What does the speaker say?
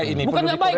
bukan nggak baik